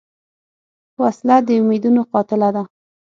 وسله د امیدونو قاتله ده